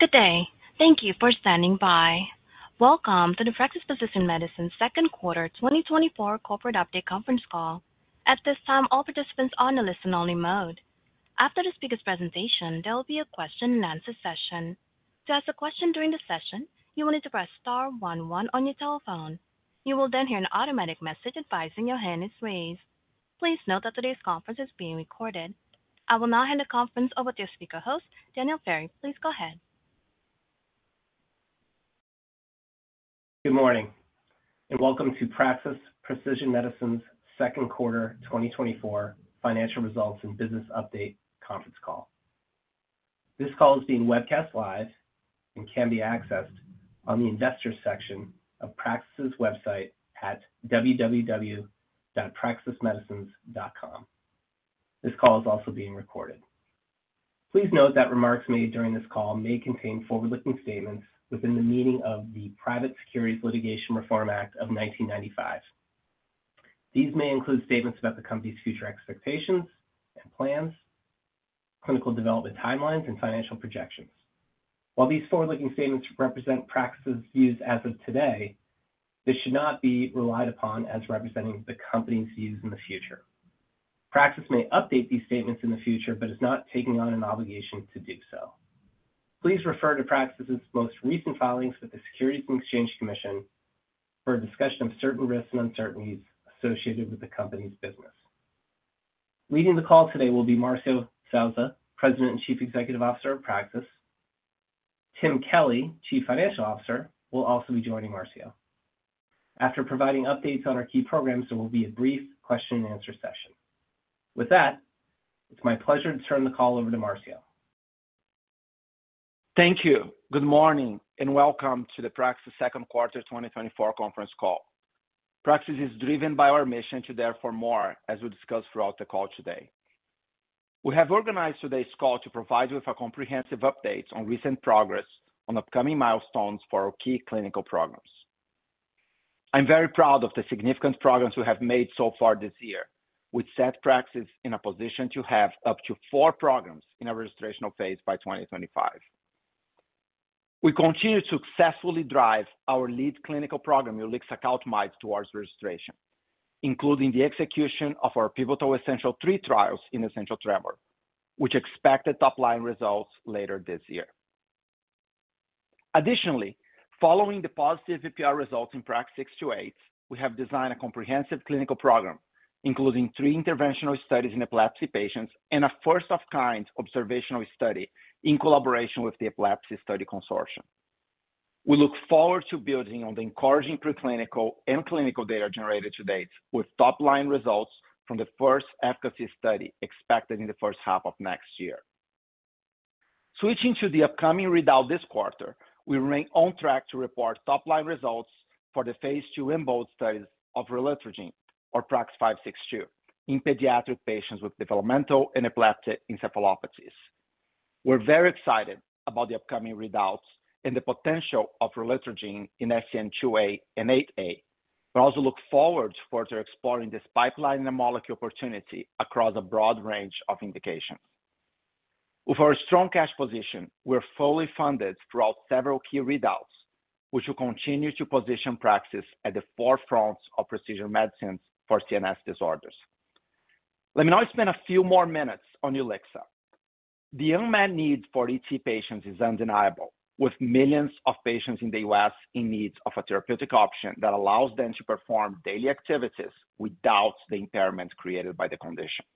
Good day. Thank you for standing by. Welcome to the Praxis Precision Medicines Q2 2024 Corporate Update Conference Call. At this time, all participants are on a listen-only mode. After the speaker's presentation, there will be a question-and-answer session. To ask a question during the session, you will need to press star one one on your telephone. You will then hear an automatic message advising your hand is raised. Please note that today's conference is being recorded. I will now hand the conference over to your speaker host, Daniel Ferry. Please go ahead. Good morning, and welcome to Praxis Precision Medicines Q2 2024 financial results and business update conference call. This call is being webcast live and can be accessed on the Investors section of Praxis' website at www.praxismedicines.com. This call is also being recorded. Please note that remarks made during this call may contain forward-looking statements within the meaning of the Private Securities Litigation Reform Act of 1995. These may include statements about the company's future expectations and plans, clinical development timelines, and financial projections. While these forward-looking statements represent Praxis' views as of today, they should not be relied upon as representing the company's views in the future. Praxis may update these statements in the future, but is not taking on an obligation to do so. Please refer to Praxis' most recent filings with the Securities and Exchange Commission for a discussion of certain risks and uncertainties associated with the company's business. Leading the call today will be Marcio Souza, President and Chief Executive Officer of Praxis. Tim Kelly, Chief Financial Officer, will also be joining Marcio. After providing updates on our key programs, there will be a brief question-and-answer session. With that, it's my pleasure to turn the call over to Marcio. Thank you. Good morning, and welcome to the Praxis Q2 2024 conference call. Praxis is driven by our mission to deliver more, as we discuss throughout the call today. We have organized today's call to provide you with a comprehensive update on recent progress on upcoming milestones for our key clinical programs. I'm very proud of the significant progress we have made so far this year, which set Praxis in a position to have up to four programs in a registrational phase by 2025. We continue to successfully drive our lead clinical program, ulixacaltamide, towards registration, including the execution of our pivotal Essential3 trials in essential tremor, which expect the top-line results later this year. Additionally, following the positive PPR results in PRAX-628, we have designed a comprehensive clinical program, including three interventional studies in epilepsy patients and a first-of-its-kind observational study in collaboration with the Epilepsy Study Consortium. We look forward to building on the encouraging preclinical and clinical data generated to date, with top-line results from the first efficacy study expected in the first half of next year. Switching to the upcoming readout this quarter, we remain on track to report top-line results for the phase II EMBOLD studies of relutrigine, or PRAX-562, in pediatric patients with developmental and epileptic encephalopathies. We're very excited about the upcoming readouts and the potential of relutrigine in SCN2A and SCN8A, but also look forward to further exploring this pipeline and molecule opportunity across a broad range of indications. With our strong cash position, we're fully funded throughout several key readouts, which will continue to position Praxis at the forefront of precision medicines for CNS disorders. Let me now spend a few more minutes on ulixacaltamide. The unmet need for ET patients is undeniable, with millions of patients in the U.S. in need of a therapeutic option that allows them to perform daily activities without the impairment created by the condition.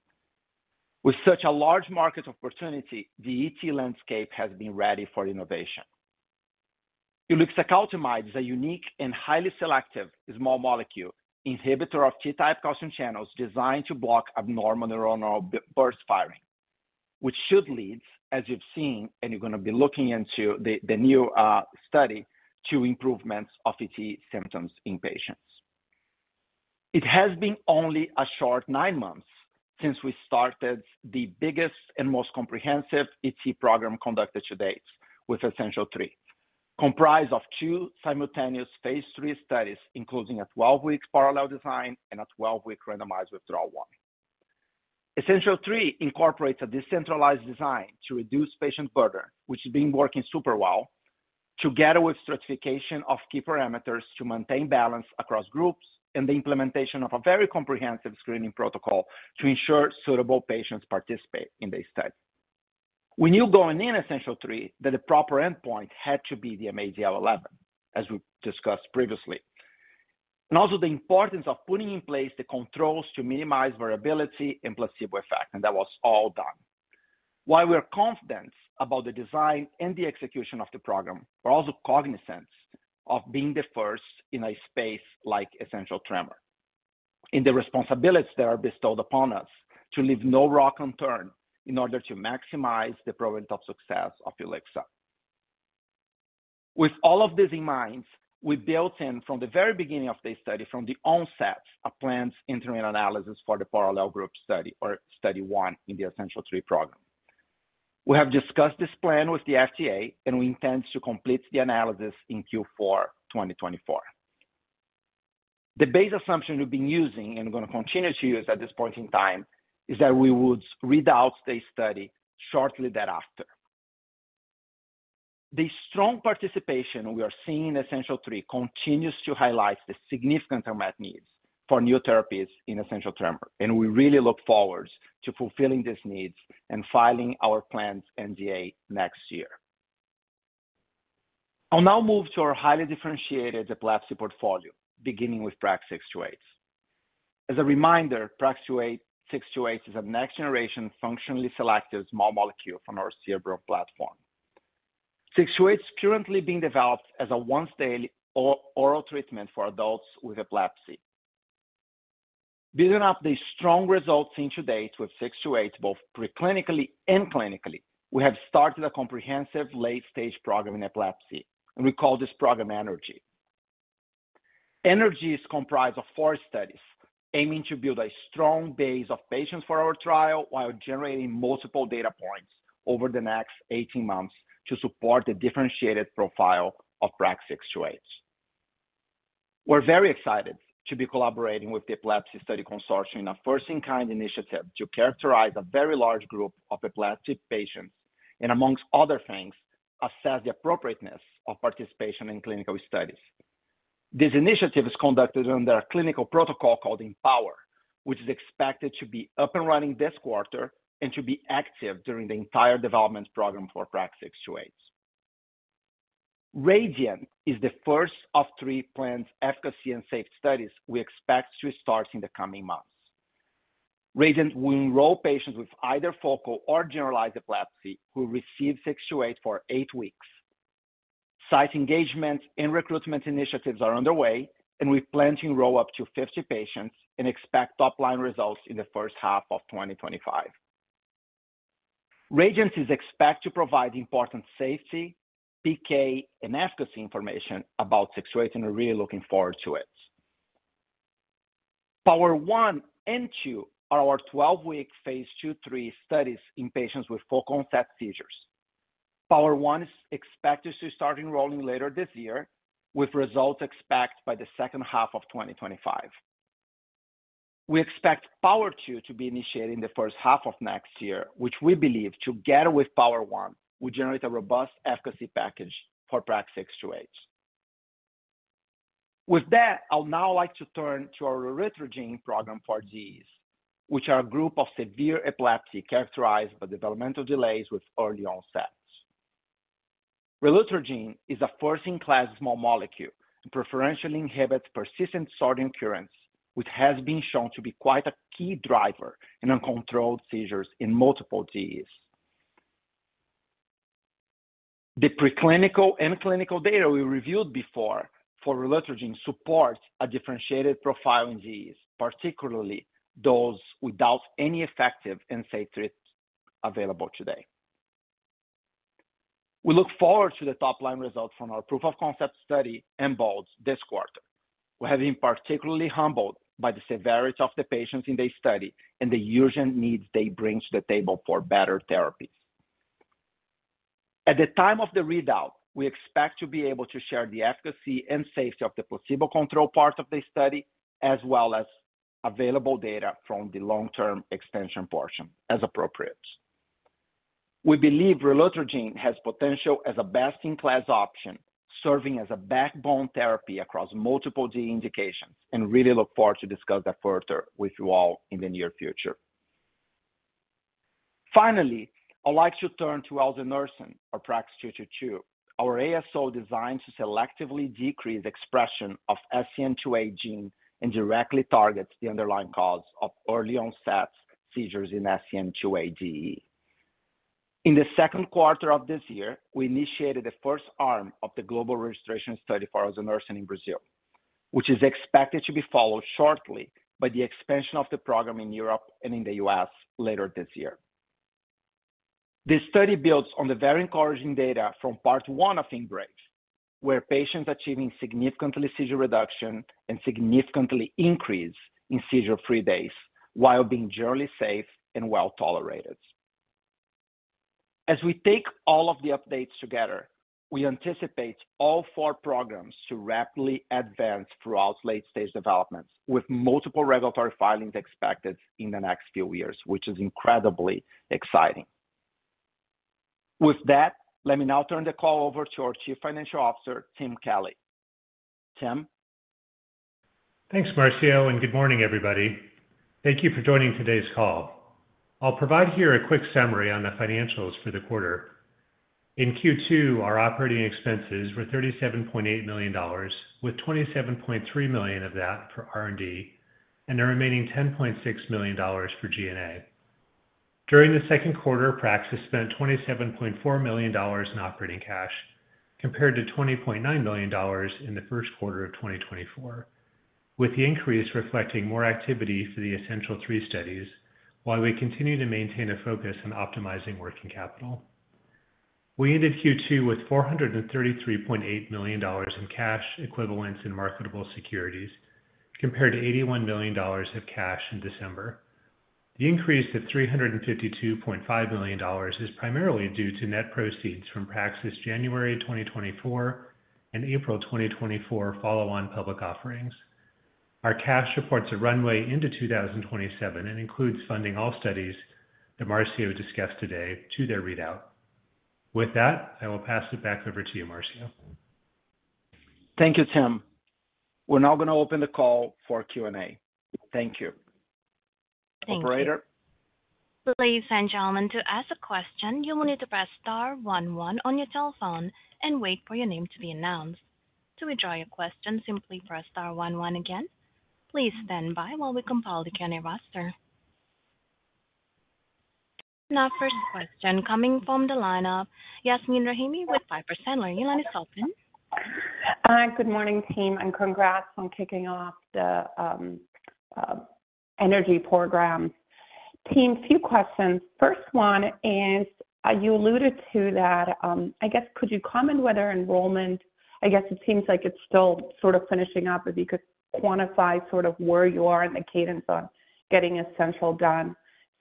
With such a large market opportunity, the ET landscape has been ready for innovation. Ulixacaltamide is a unique and highly selective small molecule inhibitor of T-type calcium channels designed to block abnormal neuronal burst firing, which should lead, as you've seen, and you're going to be looking into the new study, to improvements of ET symptoms in patients. It has been only a short nine months since we started the biggest and most comprehensive ET program conducted to date with Essential3, comprised of two simultaneous phase III studies, including a 12-week parallel design and a 12-week randomized withdrawal one. Essential3 incorporates a decentralized design to reduce patient burden, which has been working super well, together with stratification of key parameters to maintain balance across groups and the implementation of a very comprehensive screening protocol to ensure suitable patients participate in this study. We knew going in Essential3, that the proper endpoint had to be the mADL11, as we discussed previously, and also the importance of putting in place the controls to minimize variability and placebo effect, and that was all done. While we are confident about the design and the execution of the program, we're also cognizant of being the first in a space like essential tremor, and the responsibilities that are bestowed upon us to leave no rock unturned in order to maximize the probability of success of ulixacaltamide. With all of this in mind, we built in from the very beginning of this study, from the onset, a planned interim analysis for the parallel group study, or study one in the Essential3 program. We have discussed this plan with the FDA, and we intend to complete the analysis in Q4 2024. The base assumption we've been using, and we're gonna continue to use at this point in time, is that we would read out the study shortly thereafter. The strong participation we are seeing in Essential3 continues to highlight the significant unmet needs for new therapies in essential tremor, and we really look forward to fulfilling these needs and filing our planned NDA next year. I'll now move to our highly differentiated epilepsy portfolio, beginning with PRAX-628. As a reminder, PRAX-628 is a next-generation functionally selective small molecule from our Cerebrum platform. 628 is currently being developed as a once-daily oral treatment for adults with epilepsy. Building up the strong results seen to date with 628, both pre-clinically and clinically, we have started a comprehensive late-stage program in epilepsy, and we call this program Energy. Energy is comprised of four studies, aiming to build a strong base of patients for our trial, while generating multiple data points over the next 18 months to support the differentiated profile of PRAX-628. We're very excited to be collaborating with the Epilepsy Study Consortium, a first-in-kind initiative to characterize a very large group of epileptic patients, and among other things, assess the appropriateness of participation in clinical studies. This initiative is conducted under a clinical protocol called EMBOLD, which is expected to be up and running this quarter and to be active during the entire development program for PRAX-628. RADIANT is the first of three planned efficacy and safety studies we expect to start in the coming months. RADIANT will enroll patients with either focal or generalized epilepsy, who receive 628 for eight weeks. Site engagement and recruitment initiatives are underway, and we plan to enroll up to 50 patients and expect top-line results in the first half of 2025. RADIANT is expected to provide important safety, PK, and efficacy information about 628, and we're really looking forward to it. POWER-1 and POWER-2 are our 12-week phase III studies in patients with focal onset seizures. POWER-1 is expected to start enrolling later this year, with results expected by the second half of 2025. We expect POWER-2 to be initiated in the first half of next year, which we believe, together with POWER-1, will generate a robust efficacy package for PRAX-628. With that, I'd now like to turn to our relutrigine program for DEEs, which are a group of severe epilepsies characterized by developmental delays with early onset. Relutrigine is a first-in-class small molecule, and preferentially inhibits persistent sodium currents, which has been shown to be quite a key driver in uncontrolled seizures in multiple DEEs. The preclinical and clinical data we reviewed before for relutrigine supports a differentiated profile in DEEs, particularly those without any effective and safe treatments available today. We look forward to the top-line results from our proof of concept study EMBOLD this quarter. We have been particularly humbled by the severity of the patients in the study and the urgent needs they bring to the table for better therapies. At the time of the readout, we expect to be able to share the efficacy and safety of the placebo-controlled part of the study, as well as available data from the long-term expansion portion, as appropriate. We believe relutrigine has potential as a best-in-class option, serving as a backbone therapy across multiple DEE indications, and really look forward to discuss that further with you all in the near future. Finally, I'd like to turn to Elanersen or PRAX-222, our ASO designed to selectively decrease expression of SCN2A gene and directly targets the underlying cause of early-onset seizures in SCN2A DEE. In the Q2 of this year, we initiated the first arm of the global registration study for Elanersen in Brazil, which is expected to be followed shortly by the expansion of the program in Europe and in the U.S. later this year. This study builds on the very encouraging data from part one of EMBRACE, where patients achieving significantly seizure reduction and significantly increase in seizure-free days while being generally safe and well tolerated. As we take all of the updates together, we anticipate all four programs to rapidly advance throughout late-stage developments, with multiple regulatory filings expected in the next few years, which is incredibly exciting. With that, let me now turn the call over to our Chief Financial Officer, Tim Kelly. Tim? Thanks, Marcio, and good morning, everybody. Thank you for joining today's call. I'll provide here a quick summary on the financials for the quarter. In Q2, our operating expenses were $37.8 million, with $27.3 million of that for R&D, and the remaining $10.6 million for G&A. During the Q2, Praxis spent $27.4 million in operating cash, compared to $20.9 million in the Q1 of 2024, with the increase reflecting more activity for the Essential3 studies, while we continue to maintain a focus on optimizing working capital. We ended Q2 with $433.8 million in cash equivalents in marketable securities, compared to $81 million of cash in December. The increase of $352.5 million is primarily due to net proceeds from Praxis January 2024 and April 2024 follow-on public offerings. Our cash supports a runway into 2027 and includes funding all studies that Marcio discussed today to their readout. With that, I will pass it back over to you, Marcio. Thank you, Tim. We're now going to open the call for Q&A. Thank you. Thank you. Operator? Ladies and gentlemen, to ask a question, you will need to press star one one on your telephone and wait for your name to be announced. To withdraw your question, simply press star one one again. Please stand by while we compile the Q&A roster. Our first question coming from the line of Yasmeen Rahimi with Piper Sandler. You may start in. Good morning, team, and congrats on kicking off the energy program. Team, two questions. First one is, you alluded to that. I guess could you comment whether enrollment—I guess it seems like it's still sort of finishing up, if you could quantify sort of where you are in the cadence on getting essential done.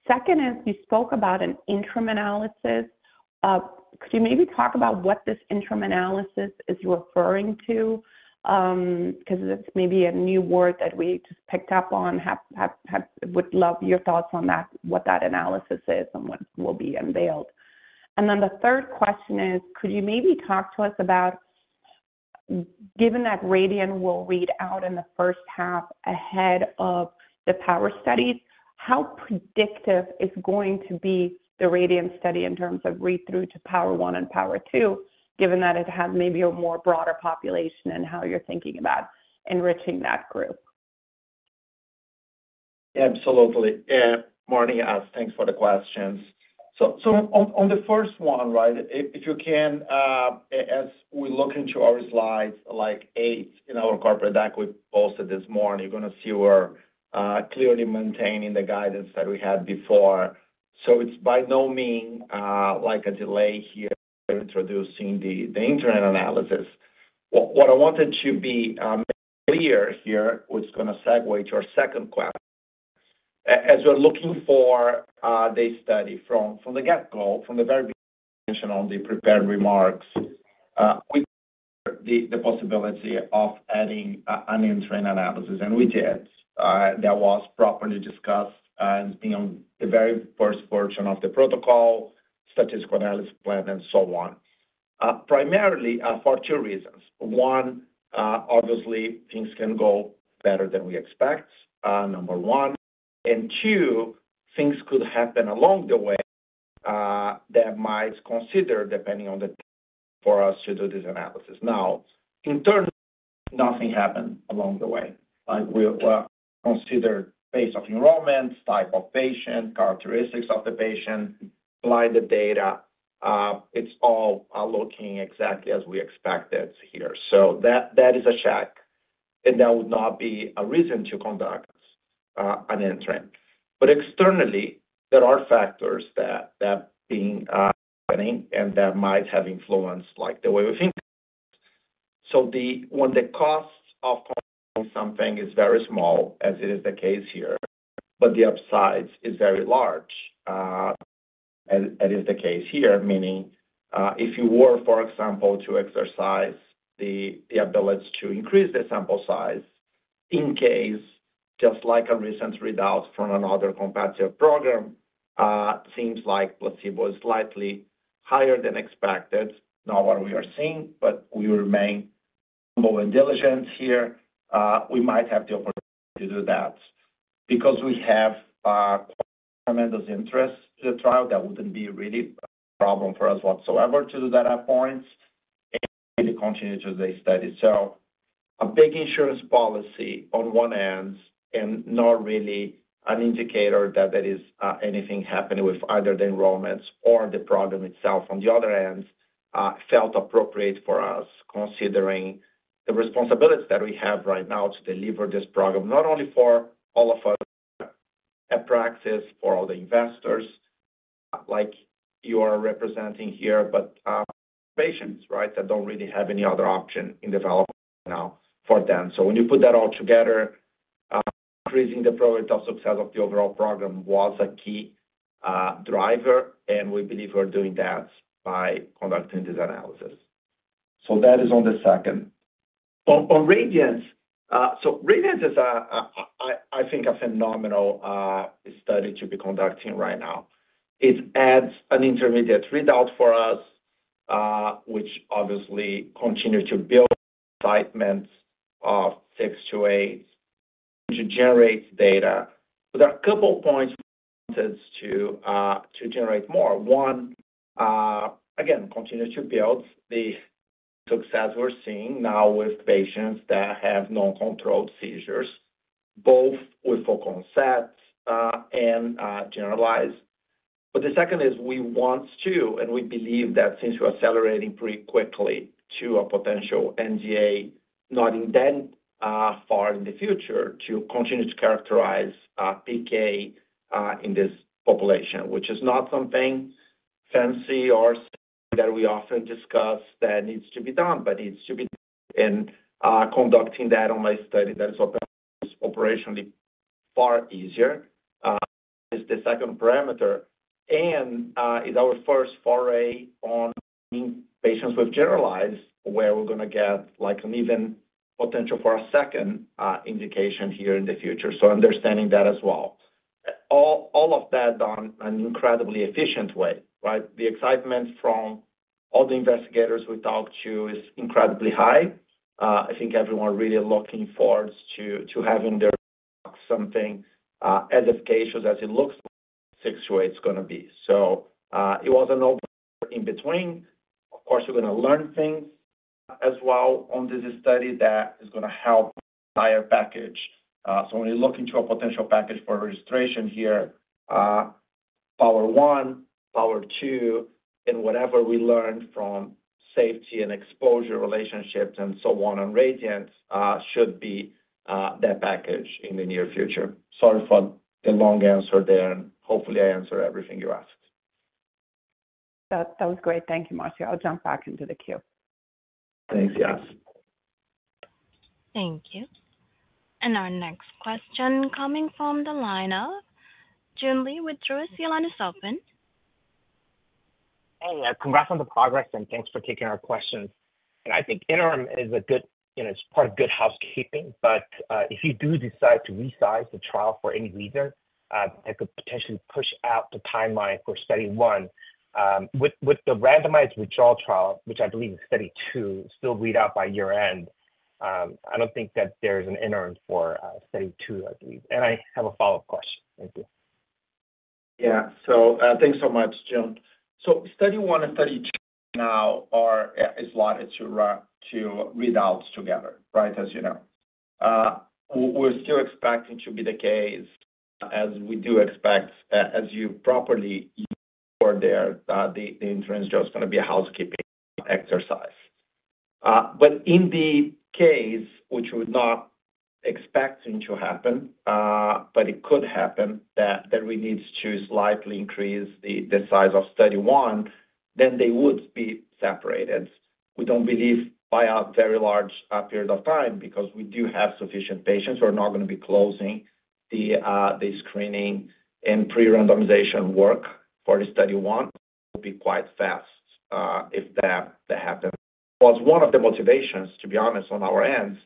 Second is, you spoke about an interim analysis. Could you maybe talk about what this interim analysis is referring to? Because it's maybe a new word that we just picked up on, would love your thoughts on that, what that analysis is and what will be unveiled. Then the third question is, could you maybe talk to us about, given that RADIANT will read out in the first half ahead of the POWER studies, how predictive is going to be the RADIANT study in terms of read-through to POWER 1 and POWER 2, given that it has maybe a more broader population, and how you're thinking about enriching that group? Absolutely. Morning, Yas. Thanks for the questions. So on the first one, right, if you can, as we look into our slides, like 8 in our corporate deck we posted this morning, you're gonna see we're clearly maintaining the guidance that we had before. So it's by no means like a delay here introducing the interim analysis. What I wanted to be clear here, which is gonna segue to our second question. As we're looking for the study from the get-go, from the very beginning on the prepared remarks, we the possibility of adding an interim analysis, and we did. That was properly discussed and, you know, the very first version of the protocol, statistical analysis plan and so on. Primarily for two reasons. One, obviously, things can go better than we expect, number one. And two, things could happen along the way, that might consider, depending on the for us to do this analysis. Now, in turn, nothing happened along the way. Like, we considered pace of enrollments, type of patient, characteristics of the patient, apply the data. It's all looking exactly as we expected here. So that, that is a check, and that would not be a reason to conduct an interim. But externally, there are factors that, that being, and that might have influenced, like, the way we think. So when the cost of something is very small, as it is the case here, but the upsides is very large, as is the case here, meaning, if you were, for example, to exercise the ability to increase the sample size, in case, just like a recent readout from another competitive program, seems like placebo is slightly higher than expected. Not what we are seeing, but we remain more diligent here, we might have the opportunity to do that. Because we have tremendous interest to the trial, that wouldn't be really a problem for us whatsoever to do that at points, and really continue to the study. So a big insurance policy on one hand, and not really an indicator that there is anything happening with either the enrollments or the program itself, on the other hand, felt appropriate for us, considering the responsibility that we have right now to deliver this program, not only for all of us at Praxis, for all the investors, like you are representing here, but patients, right, that don't really have any other option in development now for them. So when you put that all together, increasing the probability of success of the overall program was a key driver, and we believe we're doing that by conducting this analysis. So that is on the second. On RADIANT, so RADIANT is a, I think, a phenomenal study to be conducting right now. It adds an intermediate readout for us, which obviously continue to build excitement of 6-8, to generate data. There are a couple points to generate more. One, again, continue to build the success we're seeing now with patients that have uncontrolled seizures, both with focal seizures and generalized. But the second is we want to, and we believe that since we're accelerating pretty quickly to a potential NDA, not too far in the future, to continue to characterize PK in this population, which is not something fancy or that we often discuss that needs to be done, but it needs to be done, and conducting that in an ongoing study, that is what is operationally far easier, is the second parameter. And, is our first foray on patients with generalized, where we're gonna get, like, an even potential for a second indication here in the future. So understanding that as well. All of that on an incredibly efficient way, right? The excitement from all the investigators we talked to is incredibly high. I think everyone really looking forward to having their something as efficacious as it looks, this way it's gonna be. So, it was a no-brainer. Of course, we're gonna learn things as well on this study that is gonna help our package. So when you look into a potential package for registration here, POWER 1, POWER 2, and whatever we learned from safety and exposure relationships and so on, and RADIANT should be that package in the near future. Sorry for the long answer there, and hopefully, I answered everything you asked. That was great. Thank you, Marcio. I'll jump back into the queue. Thanks, guys. Thank you. Our next question coming from the line of Joon Lee with Truist. Your line is open. Hey, yeah, congrats on the progress, and thanks for taking our questions. I think interim is a good, you know, it's part of good housekeeping, but if you do decide to resize the trial for any reason, that could potentially push out the timeline for study one. With the randomized withdrawal trial, which I believe is study two, still read out by year-end, I don't think that there is an interim for study two, I believe. I have a follow-up question. Thank you. Yeah. So, thanks so much, Joon. So study one and study two now are, is slotted to run, to read out together, right, as you know. We're still expecting to be the case, as we do expect, as you properly were there, the interim is just gonna be a housekeeping exercise. But in the case, which we're not expecting to happen, but it could happen, that we need to slightly increase the size of study one, then they would be separated. We don't believe by a very large period of time, because we do have sufficient patients. We're not gonna be closing the screening and pre-randomization work for the study one. It will be quite fast, if that happened. Was one of the motivations, to be honest, on our end,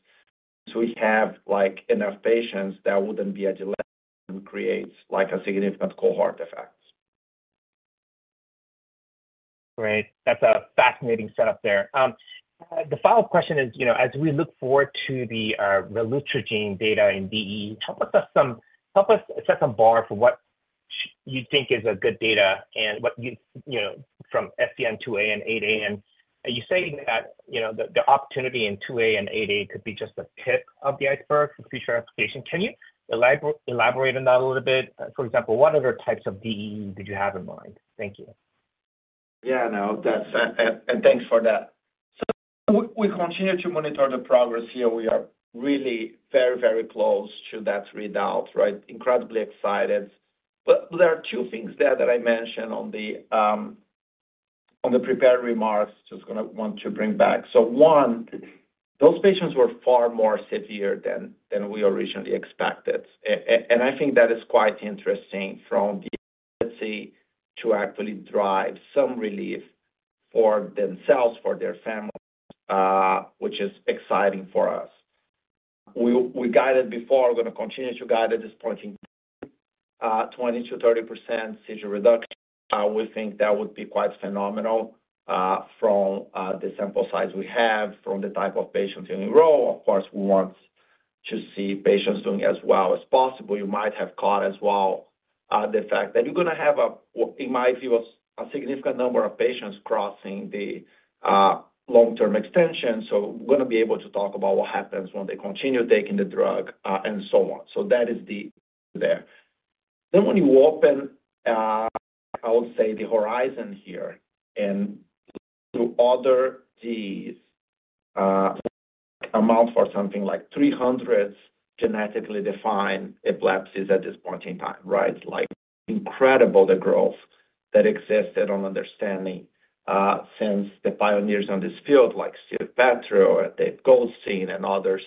so we have, like, enough patients that wouldn't be a delay and creates like, a significant cohort effect. Great. That's a fascinating setup there. The follow-up question is, you know, as we look forward to the relutrigine data in DE, help us set some, help us set some bar for what you think is a good data and what you, you know, from SCN2A and SCN8A. And are you saying that, you know, the, the opportunity in SCN2A and SCN8A could be just the tip of the iceberg for future application? Can you elaborate on that a little bit? For example, what other types of DE did you have in mind? Thank you. Yeah, no, that's and thanks for that. So we continue to monitor the progress here. We are really very, very close to that readout, right? Incredibly excited. But there are two things there that I mentioned on the prepared remarks. Just gonna want to bring back. So one, those patients were far more severe than we originally expected. And I think that is quite interesting from the to actually drive some relief for themselves, for their families, which is exciting for us. We guided before, we're gonna continue to guide at this point in 20%-30% seizure reduction. We think that would be quite phenomenal, from the sample size we have, from the type of patients in the trial. Of course, we want to see patients doing as well as possible. You might have caught as well, the fact that you're gonna have a, in my view, a significant number of patients crossing the, long-term extension. So we're gonna be able to talk about what happens when they continue taking the drug, and so on. So that is the there. Then when you open, I would say, the horizon here and to other DEEs, amount for something like 300 genetically defined epilepsies at this point in time, right? Like, incredible the growth that existed on understanding, since the pioneers on this field, like Steven Petrou and David Goldstein and others,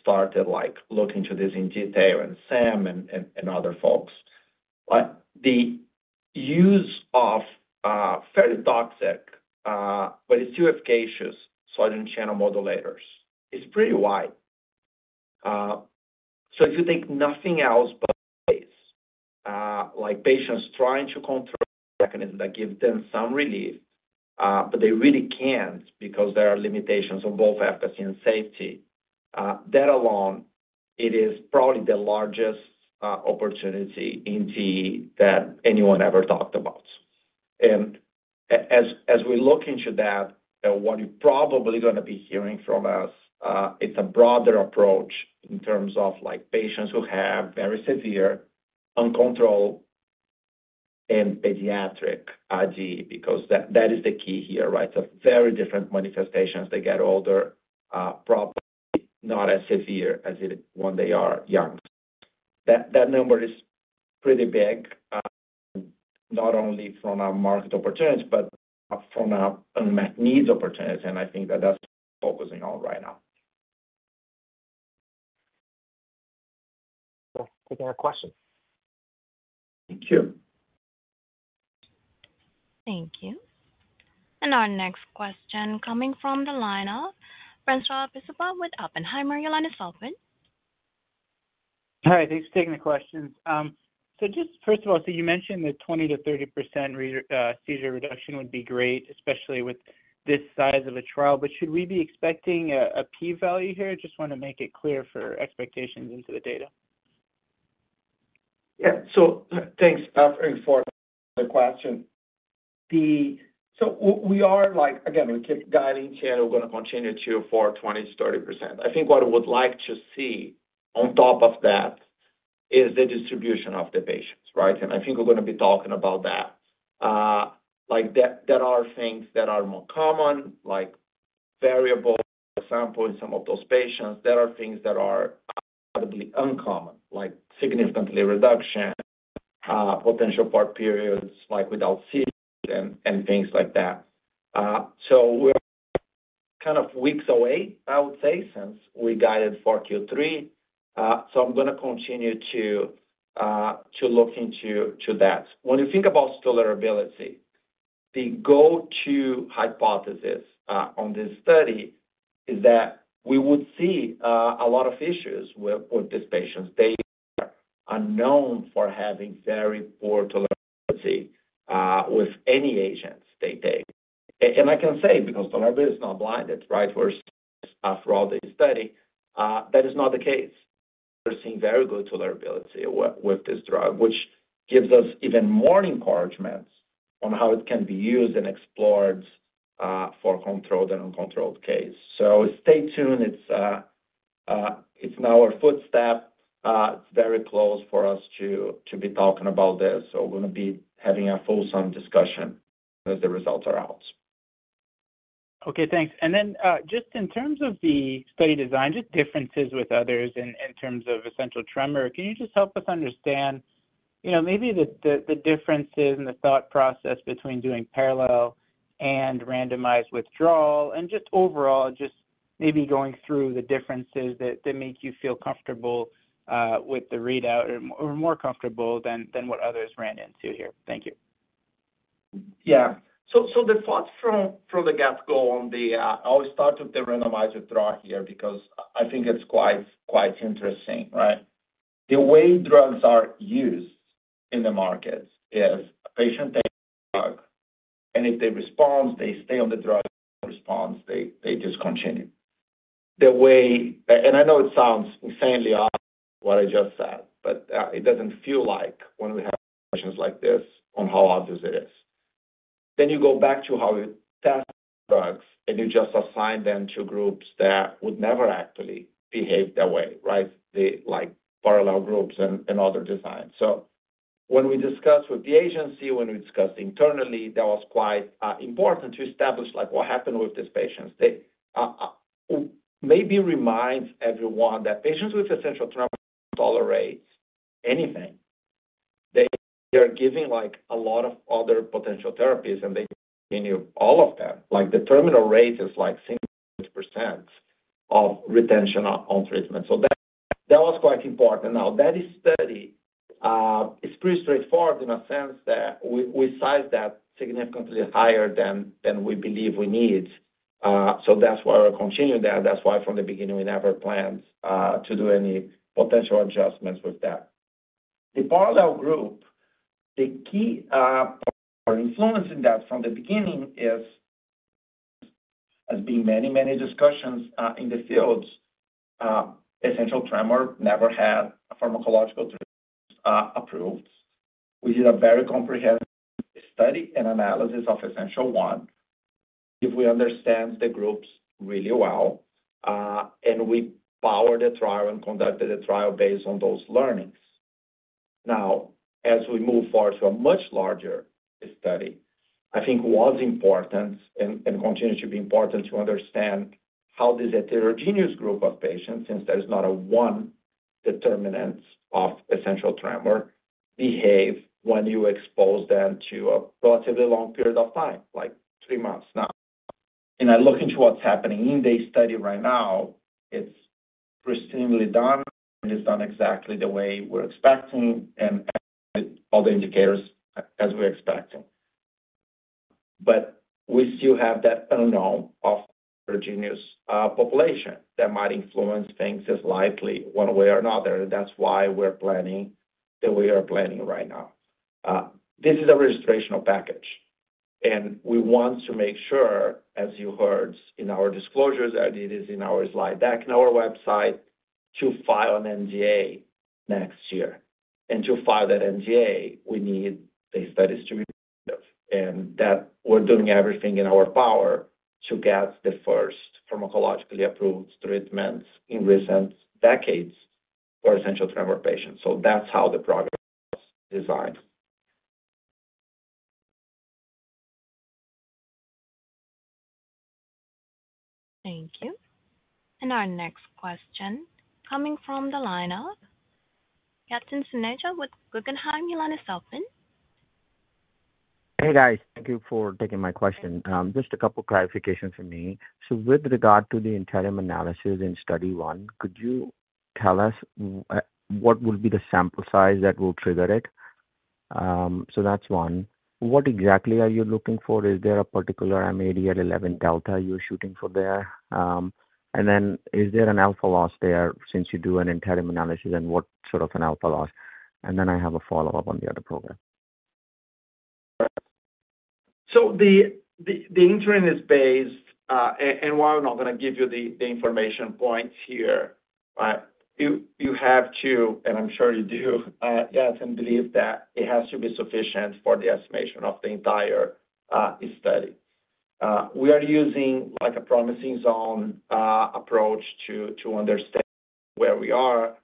started, like, looking into this in detail, and Sam and other folks. But the use of, very toxic, but it's still efficacious, sodium channel modulators, is pretty wide. So if you take nothing else but this, like, patients trying to control mechanism that gives them some relief, but they really can't because there are limitations on both efficacy and safety, that alone, it is probably the largest opportunity in DE that anyone ever talked about. As we look into that, what you're probably gonna be hearing from us, it's a broader approach in terms of, like, patients who have very severe uncontrolled and pediatric IG, because that is the key here, right? So very different manifestations. They get older, probably not as severe as it is when they are young. That number is pretty big, not only from a market opportunity, but from a unmet needs opportunity, and I think that that's focusing on right now. Taking a question. Thank you. Thank you. Our next question coming from the line of François Brisebois with Oppenheimer. Your line is open. Hi, thanks for taking the question. So just first of all, so you mentioned that 20%-30% seizure reduction would be great, especially with this size of a trial. But should we be expecting a p-value here? Just want to make it clear for expectations into the data. Yeah. So thanks for the question. So we are like, again, we keep guiding here, and we're going to continue to for 20%-30%. I think what I would like to see on top of that is the distribution of the patients, right? And I think we're going to be talking about that. Like, there are things that are more common, like variable seizures in some of those patients. There are things that are incredibly uncommon, like significant reduction, potential seizure-free periods, like without seizure and things like that. So we're kind of weeks away, I would say, since we guided for Q3, so I'm gonna continue to look into that. When you think about tolerability, the go-to hypothesis on this study is that we would see a lot of issues with these patients. They are unknown for having very poor tolerability with any agents they take. And, and I can say, because tolerability is not blinded, right, we're after all the study, that is not the case. We're seeing very good tolerability with, with this drug, which gives us even more encouragement on how it can be used and explored for controlled and uncontrolled case. So stay tuned. It's, it's in our footstep, it's very close for us to, to be talking about this, so we're gonna be having a full song discussion as the results are out. Okay, thanks. And then, just in terms of the study design, just differences with others in terms of Essential Tremor, can you just help us understand, you know, maybe the differences and the thought process between doing parallel and randomized withdrawal, and just overall, just maybe going through the differences that make you feel comfortable with the readout or more comfortable than what others ran into here? Thank you. Yeah. So the thoughts from the get-go on the, I always start with the randomized withdrawal here, because I think it's quite interesting, right? The way drugs are used in the markets is a patient takes drug, and if they respond, they stay on the drug, responds, they discontinue. And I know it sounds insanely odd, what I just said, but it doesn't feel like when we have patients like this, on how obvious it is. Then you go back to how it tests drugs, and you just assign them to groups that would never actually behave that way, right? Like, parallel groups and other designs. So when we discussed with the agency, internally, that was quite important to establish, like, what happened with these patients. Maybe remind everyone that patients with essential tremor tolerate anything. They are giving, like, a lot of other potential therapies, and they continue all of them. Like, the retention rate is like 60% retention on treatment. So that was quite important. Now, that study is pretty straightforward in a sense that we sized that significantly higher than we believe we need, so that's why we're continuing that. That's why from the beginning, we never planned to do any potential adjustments with that. The parallel group, the key for influencing that from the beginning is, as being many, many discussions in the field essential tremor never had a pharmacological treatment approved. We did a very comprehensive study and analysis of Essential1, if we understand the groups really well, and we powered the trial and conducted a trial based on those learnings. Now, as we move forward to a much larger study, I think what's important and, and continues to be important, to understand how this heterogeneous group of patients, since there is not a one determinant of essential tremor, behave when you expose them to a relatively long period of time, like three months now. And I look into what's happening in the study right now, it's presumably done, and it's done exactly the way we're expecting and all the indicators as we're expecting. But we still have that unknown of heterogeneous population that might influence things as likely one way or another. That's why we're planning, that we are planning right now. This is a registrational package, and we want to make sure, as you heard in our disclosures, and it is in our slide deck, in our website, to file an NDA next year. And to file that NDA, we need a study to be positive, and that we're doing everything in our power to get the first pharmacologically approved treatments in recent decades for essential tremor patients. So that's how the progress is designed. Thank you. Our next question coming from the line of Yatin Suneja with Guggenheim. Hey, guys. Thank you for taking my question. Just a couple clarifications for me. So with regard to the interim analysis in study one, could you tell us what will be the sample size that will trigger it? So that's one. What exactly are you looking for? Is there a particular mADL11 delta you're shooting for there? And then is there an alpha loss there since you do an interim analysis, and what sort of an alpha loss? And then I have a follow-up on the other program. So the interim is based, and while I'm not gonna give you the information points here, you have to, and I'm sure you do, and believe that it has to be sufficient for the estimation of the entire study. We are using, like, a promising zone approach to understand where we are.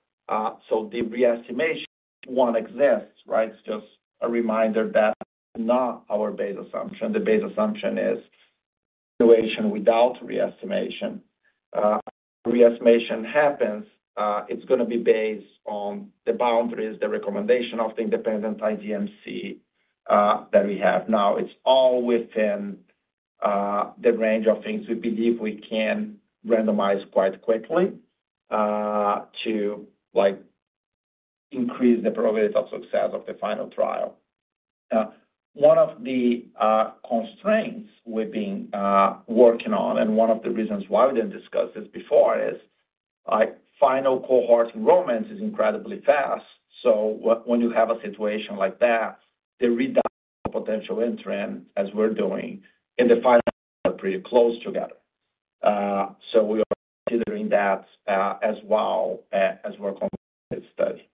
So the reestimation, one exists, right? It's just a reminder that not our base assumption. The base assumption is situation without reestimation. Reestimation happens, it's gonna be based on the boundaries, the recommendation of the independent IDMC that we have. Now, it's all within the range of things we believe we can randomize quite quickly to, like, increase the probability of success of the final trial. One of the constraints we've been working on, and one of the reasons why we didn't discuss this before, is like final cohort enrollment is incredibly fast. So when you have a situation like that, the readout potential interim, as we're doing, and the final are pretty close together. So we are considering that, as well, as we're completing this study.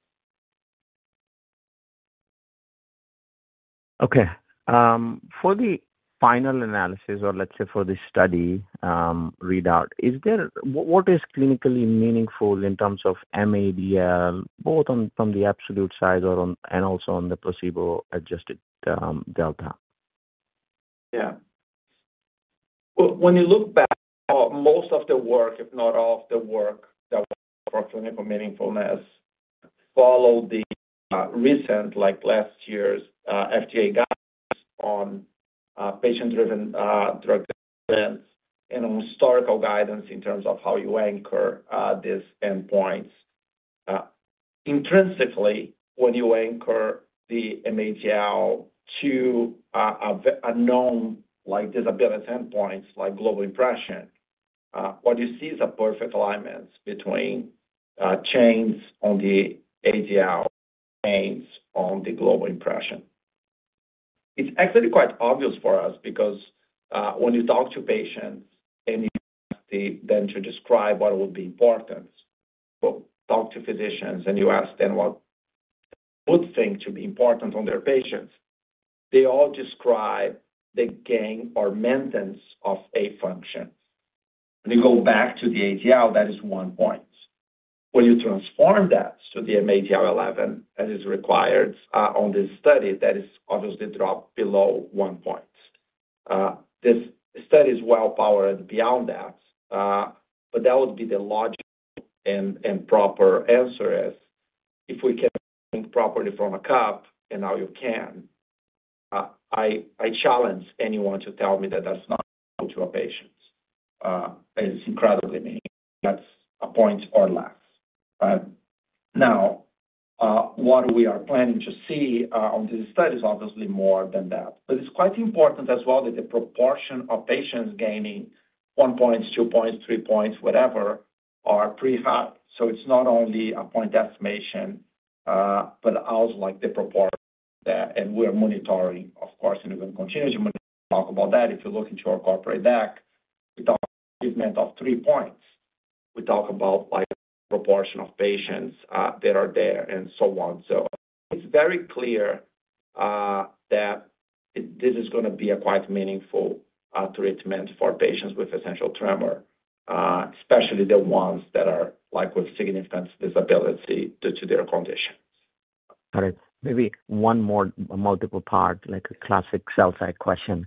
Okay. For the final analysis, or let's say for the study readout, what is clinically meaningful in terms of mADL, both on, from the absolute side or on—and also on the placebo-adjusted delta? Yeah. When you look back, most of the work, if not all of the work, that for clinical meaningfulness, follow the recent, like, last year's FDA guidance on patient-driven drug plans and historical guidance in terms of how you anchor these endpoints. Intrinsically, when you anchor the mADL to a known, like, disability endpoints, like global impression, what you see is a perfect alignment between changes on the ADL, changes on the global impression. It's actually quite obvious for us because when you talk to patients and you ask them to describe what would be important, well, talk to physicians, and you ask them what they think to be important on their patients, they all describe the gain or maintenance of a function. When you go back to the ADL, that is one point. When you transform that to the mADL 11, as is required, on this study, that is obviously dropped below 1 point. This study is well powered beyond that, but that would be the logical and proper answer is, if we can think properly from a patient's, and now you can, I challenge anyone to tell me that that's not to our patients. It's incredibly meaningful. That's a point or less, right? Now, what we are planning to see, on this study is obviously more than that. But it's quite important as well that the proportion of patients gaining 1 points, 2 points, 3 points, whatever, are of interest. So it's not only a point estimation, but also, like, the proportion of that, and we're monitoring, of course, and we're going to continue to talk about that. If you look into our corporate deck, we talk about movement of three points. We talk about, like, proportion of patients that are there and so on. So it's very clear that this is gonna be a quite meaningful treatment for patients with Essential Tremor, especially the ones that are, like, with significant disability due to their conditions. All right, maybe one more multiple part, like a classic sell-side question.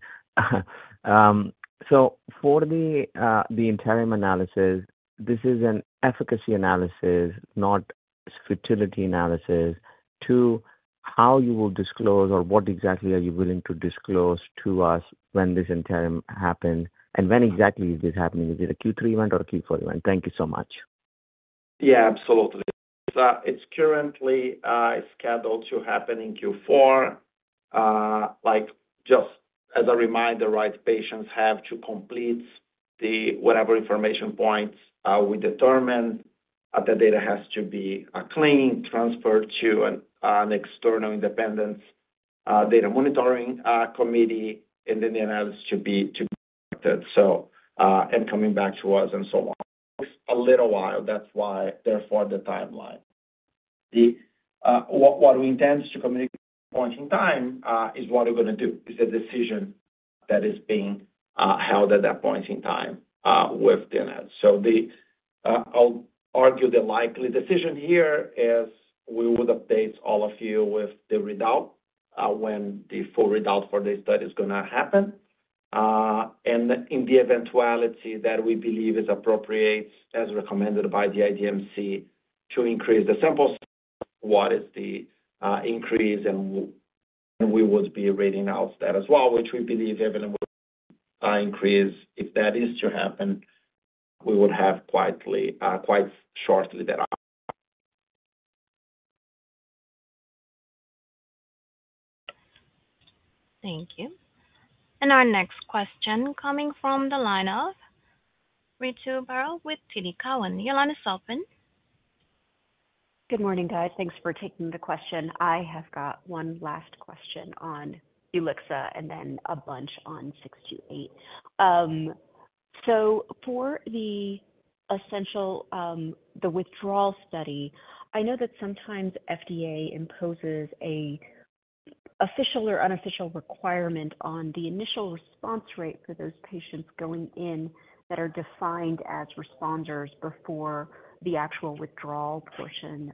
So for the interim analysis, this is an efficacy analysis, not fut analysis. Two, how you will disclose or what exactly are you willing to disclose to us when this interim happens, and when exactly is this happening? Is it a Q3 event or a Q4 event? Thank you so much. Yeah, absolutely. It's currently scheduled to happen in Q4. Like, just as a reminder, right, patients have to complete the—whatever information points we determine. The data has to be clean, transferred to an external independent data monitoring committee, and then the analysis should be to— So, and coming back to us and so on. A little while, that's why, therefore, the timeline. The, what we intend to communicate point in time, is what we're gonna do, is the decision that is being held at that point in time, with the analysis. So the... I'll argue the likely decision here is we would update all of you with the readout, when the full readout for this study is gonna happen. And in the eventuality that we believe is appropriate, as recommended by the IDMC, to increase the samples, what is the increase, and we would be reading out that as well, which we believe available increase. If that is to happen, we would have quietly quite shortly there are. Thank you. And our next question coming from the line of Ritu Baral with TD Cowen. Your line is open. Good morning, guys. Thanks for taking the question. I have got one last question on ulixacaltamide and then a bunch on 628. So for the essential, the withdrawal study, I know that sometimes FDA imposes a official or unofficial requirement on the initial response rate for those patients going in that are defined as responders before the actual withdrawal portion,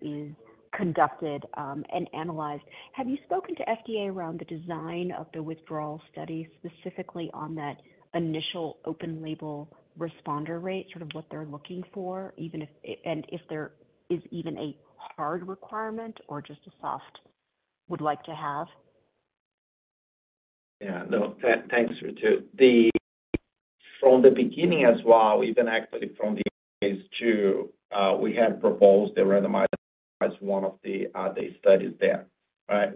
is conducted, and analyzed. Have you spoken to FDA around the design of the withdrawal study, specifically on that initial open label responder rate, sort of what they're looking for, even if and if there is even a hard requirement or just a soft would like to have? Yeah, no, thanks, Ritu. From the beginning as well, even actually from the phase II, we had proposed the randomized as one of the studies there, right?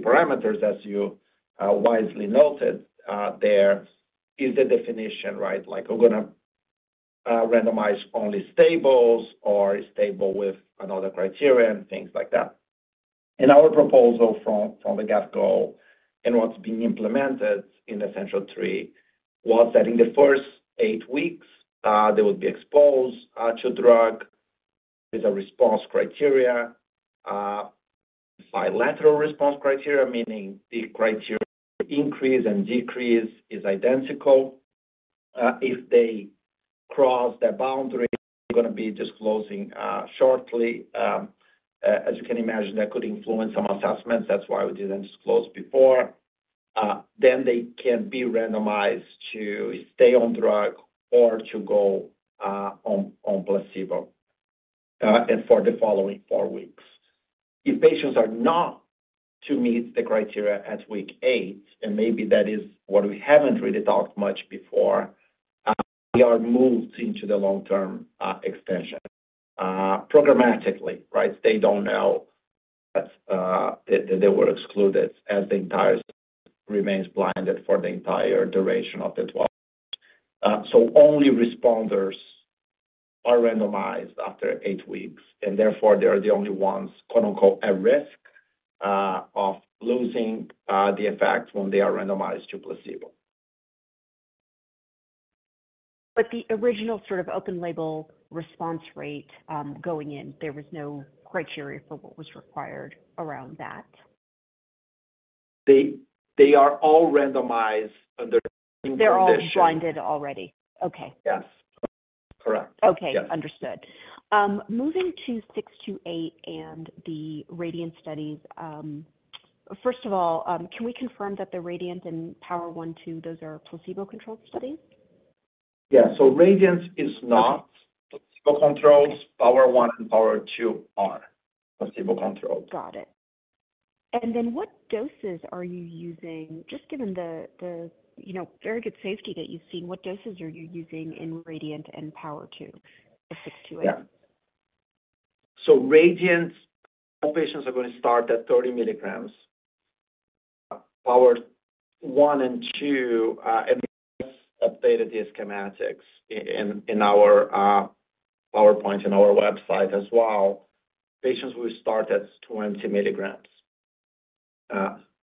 Parameters, as you wisely noted, there is a definition, right? Like, we're gonna randomize only stables or a stable with another criterion, things like that. In our proposal from the get-go, and what's being implemented in Essential3, was that in the first eight weeks, they would be exposed to drug with a response criteria, bilateral response criteria, meaning the criteria increase and decrease is identical. If they cross that boundary, we're gonna be disclosing shortly. As you can imagine, that could influence some assessments. That's why we didn't disclose before. Then they can be randomized to stay on drug or to go on placebo and for the following four weeks. If patients are not to meet the criteria at week eight, and maybe that is what we haven't really talked much before, they are moved into the long-term extension. Programmatically, right? They don't know that they were excluded, as the entire study remains blinded for the entire duration of the trial. So only responders are randomized after eight weeks, and therefore, they are the only ones, quote unquote, "at risk," of losing the effect when they are randomized to placebo. But the original sort of open label response rate, going in, there was no criteria for what was required around that. They are all randomized under the same conditions. They're all blinded already. Okay. Yes. Correct. Okay. Yes. Understood. Moving to 628 and the RADIANT studies, first of all, can we confirm that the RADIANT and POWER 1 and 2, those are placebo-controlled studies? Yeah. So RADIANT is not placebo-controlled. POWER 1 and POWER 2 are placebo-controlled. Got it. And then what doses are you using? Just given the you know, very good safety that you've seen, what doses are you using in RADIANT and POWER 2 for 628? Yeah. So RADIANT, all patients are gonna start at 30 milligrams. POWER 1 and 2, and we updated the schematics in our PowerPoint on our website as well. Patients will start at 20 milligrams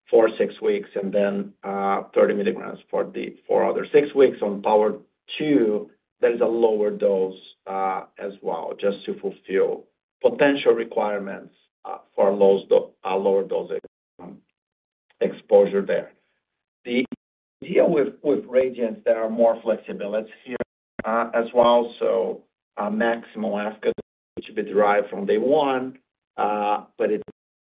for 6 weeks, and then 30 milligrams for the 4 other 6 weeks. On POWER 2, there is a lower dose as well, just to fulfill potential requirements for a lower dosage exposure there. The deal with RADIANT, there are more flexibilities here as well. So our max dose, which will be derived from day one, but it's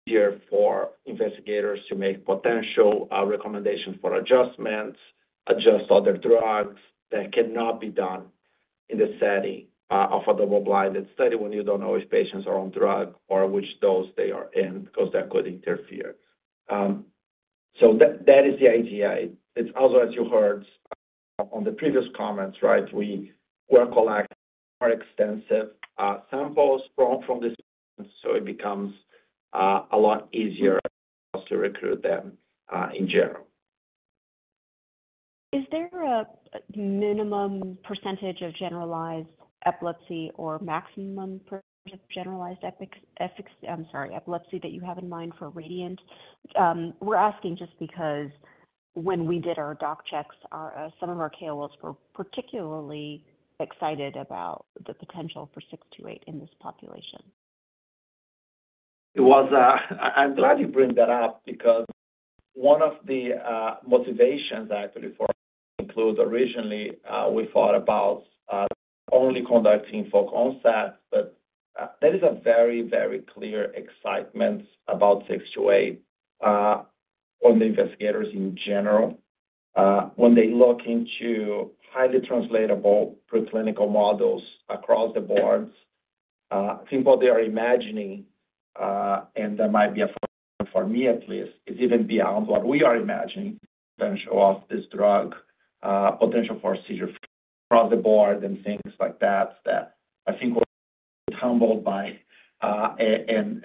here for investigators to make potential recommendations for adjustments, adjust other drugs that cannot be done in the setting of a double-blinded study when you don't know if patients are on drug or which dose they are in, because that could interfere. So that, that is the idea. It's also, as you heard, on the previous comments, right, we were collecting more extensive samples from this, so it becomes a lot easier to recruit them in general. Is there a minimum percentage of generalized epilepsy or maximum percentage of generalized epilepsy that you have in mind for RADIANT? We're asking just because when we did our Doug checks, our, some of our KOLs were particularly excited about the potential for 628 in this population. It was, I'm glad you bring that up, because one of the motivations actually for including originally, we thought about only conducting focal onset, but that is a very, very clear excitement about 628 on the investigators in general. When they look into highly translatable preclinical models across the board, I think what they are imagining, and that might be it for me at least, is even beyond what we are imagining, potential of this drug, potential for seizure across the board and things like that, that I think we're humbled by, and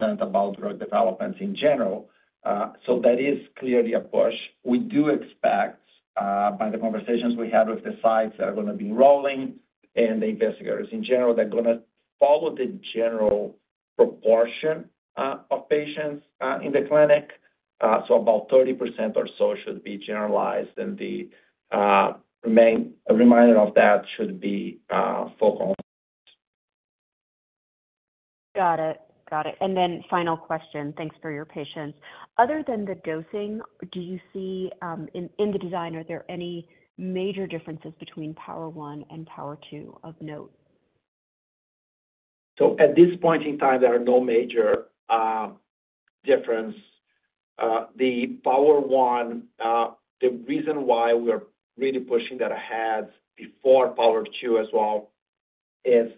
about drug developments in general. So that is clearly a push. We do expect, by the conversations we had with the sites that are gonna be enrolling and the investigators in general, they're gonna follow the general proportion of patients in the clinic. So about 30% or so should be generalized, and the remainder of that should be focal. Got it. Got it. Then final question. Thanks for your patience. Other than the dosing, do you see, in the design, are there any major differences between POWER 1 and POWER 2 of note? So at this point in time, there are no major difference. The POWER 1, the reason why we are really pushing that ahead before POWER 2 as well, is,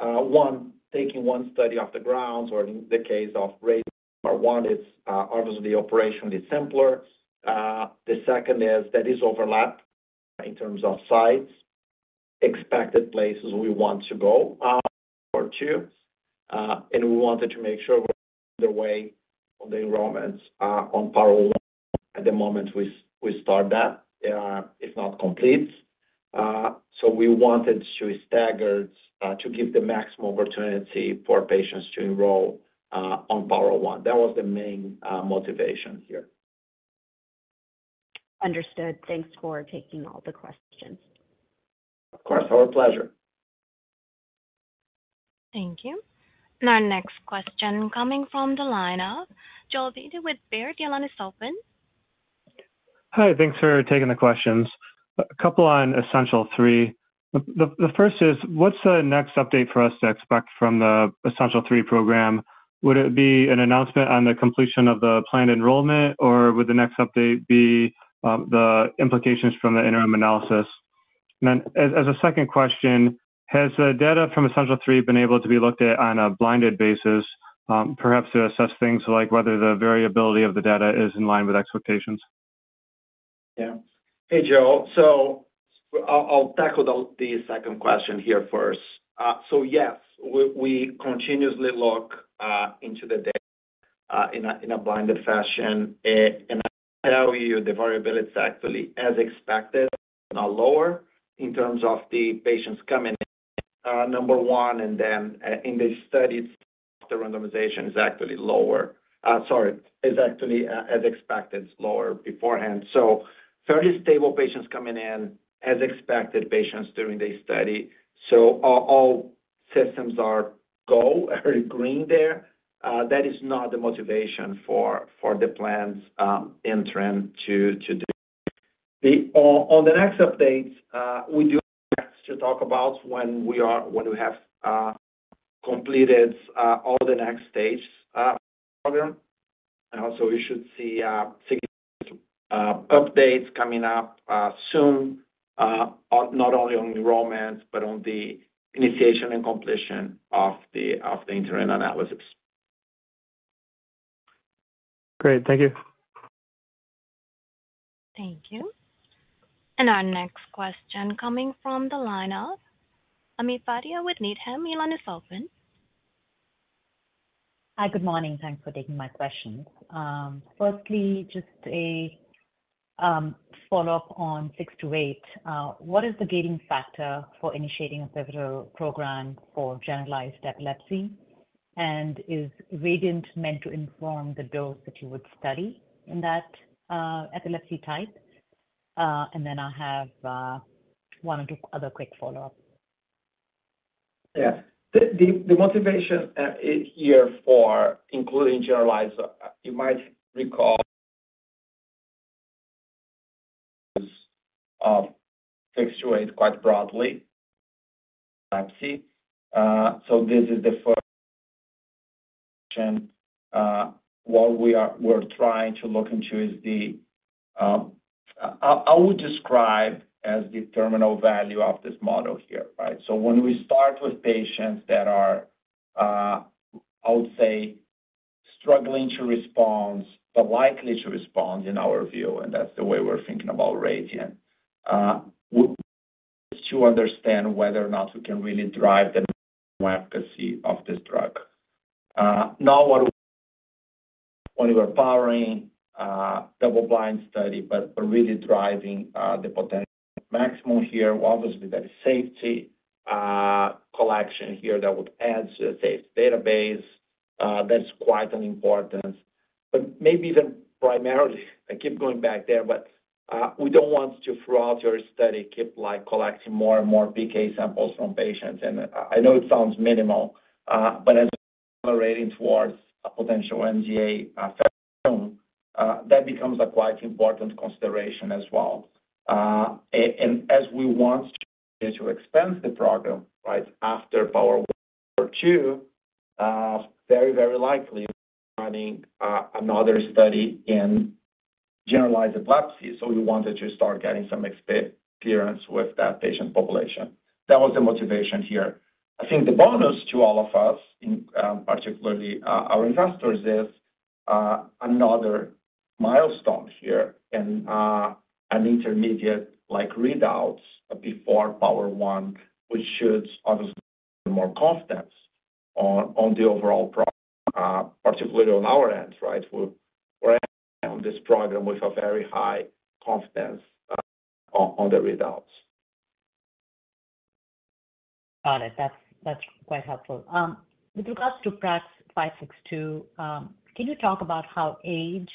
one, taking one study off the grounds, or in the case of RADIANT, it's obviously, the operation is simpler. The second is that is overlap in terms of sites, expected places we want to go, or POWER 2, and we wanted to make sure the way of the enrollments are on POWER 1 at the moment we start that is not complete. So we wanted to stagger, to give the maximum opportunity for patients to enroll on POWER 1. That was the main motivation here. Understood. Thanks for taking all the questions. Of course. Our pleasure. Thank you. Our next question coming from the line of Joel Beatty with Baird. Your line is open. Hi, thanks for taking the questions. A couple on Essential3. The first is, what's the next update for us to expect from the Essential3 program? Would it be an announcement on the completion of the planned enrollment, or would the next update be the implications from the interim analysis? Then as a second question, has the data from Essential3 been able to be looked at on a blinded basis, perhaps to assess things like whether the variability of the data is in line with expectations? Yeah. Hey, Joel. So I'll tackle the second question here first. So yes, we continuously look into the data in a blinded fashion, and I tell you, the variability is actually as expected, not lower, in terms of the patients coming in, number one, and then, in the studies, the randomization is actually lower. Sorry, is actually as expected, lower beforehand. So fairly stable patients coming in, as expected, patients during the study. So all systems are go, are green there. That is not the motivation for the plans interim to do. On the next updates, we do to talk about when we have completed all the next stages, program. Also, you should see updates coming up soon on not only enrollments, but on the initiation and completion of the interim analysis. Great. Thank you. Thank you. Our next question coming from the line of Ami Fadia with Needham. Your line is open. Hi, good morning. Thanks for taking my questions. Firstly, just a follow-up on 628. What is the gating factor for initiating a pivotal program for generalized epilepsy? And is RADIANT meant to inform the dose that you would study in that epilepsy type? And then I have one or two other quick follow-up. Yeah. The motivation here for including generalized, you might recall, 628 quite broadly. So this is the first, what we're trying to look into is the, I would describe as the terminal value of this model here, right? So when we start with patients that are, I would say, struggling to respond, but likely to respond in our view, and that's the way we're thinking about RADIANT is to understand whether or not we can really drive the efficacy of this drug. Not what when we're powering, double blind study, but really driving, the potential maximum here. Obviously, there is safety collection here that would add to the safety database. That's quite an importance.... But maybe even primarily, I keep going back there, but we don't want to, throughout our study, keep like collecting more and more PK samples from patients. And I, I know it sounds minimal, but as we're gearing towards a potential NDA, that becomes a quite important consideration as well. And as we want to expand the program, right, after POWER 2, very, very likely adding another study in generalized epilepsy. So we wanted to start getting some experience with that patient population. That was the motivation here. I think the bonus to all of us, in particularly, our investors, is another milestone here and an intermediate like readouts before POWER 1, which should obviously more confidence on, on the overall product, particularly on our end, right? We're on this program with a very high confidence on the readouts. Got it. That's quite helpful. With regards to PRAX-562, can you talk about how age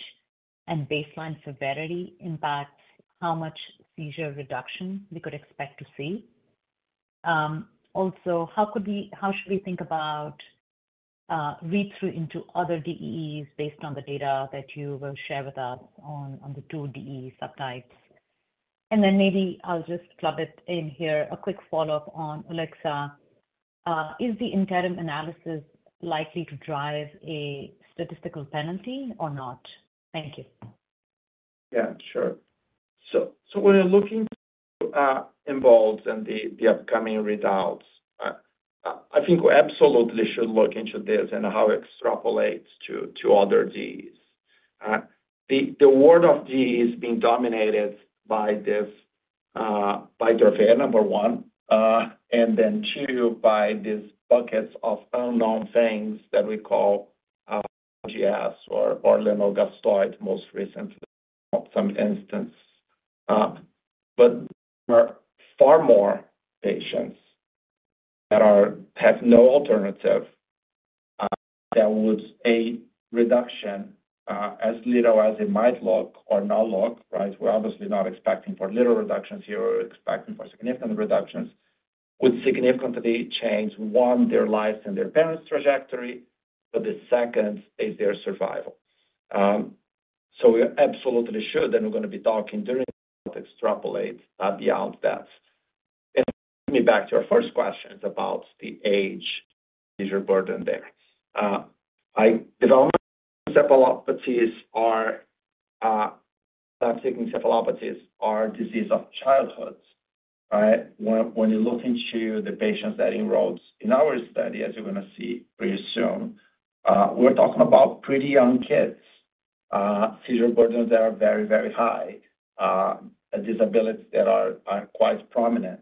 and baseline severity impact how much seizure reduction we could expect to see? Also, how should we think about read-through into other DEEs based on the data that you will share with us on the two DEE subtypes? And then maybe I'll just plug it in here, a quick follow-up on Elanersen. Is the interim analysis likely to drive a statistical penalty or not? Thank you. Yeah, sure. So we're looking involved in the upcoming results. I think we absolutely should look into this and how it extrapolates to other DEEs. The world of DEE is being dominated by this, by DRVN, number one, and then two, by these buckets of unknown things that we call GS or idiopathic, most recently, some instance. But there are far more patients that have no alternative, that would a reduction, as little as it might look or not look, right? We're obviously not expecting for little reductions here, we're expecting for significant reductions, would significantly change, one, their lives and their parents' trajectory, but the second is their survival. So we're absolutely sure that we're gonna be talking during extrapolate, beyond that. Back to your first questions about the age, seizure burden there. Developmental encephalopathies are, encephalopathies are disease of childhood, right? When you look into the patients that enrolled in our study, as you're gonna see pretty soon, we're talking about pretty young kids, seizure burdens that are very, very high, and disabilities that are quite prominent.